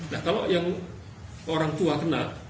nah kalau yang orang tua kena